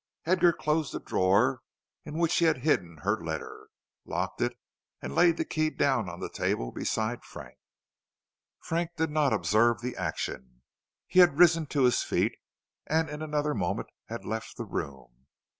Edgar closed the drawer in which he had hidden her letter, locked it, and laid the key down on the table beside Frank. Frank did not observe the action; he had risen to his feet, and in another moment had left the room.